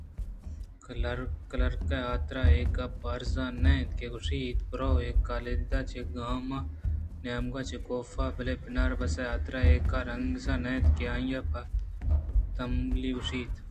کلرک ءِحاترا اے گپ ارزان اِنت کہ گوٛشیت برو اے کاگد ءَ چہ کلام ءِ نیمگ ءَ پہ کاف ءَ بلئےبناربس ءِ حاترا اے کار اینکس نہ اِنت کہ آ پہ بے تہمبلی گوٛشیت